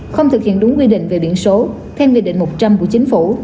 không thực hiện đúng quy định về biển số thêm quy định một trăm linh của chính phủ